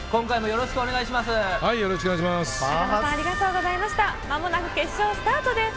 よろしくお願いします。